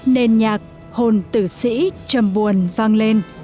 nền nhạc hồn tử sĩ trầm buồn vang lên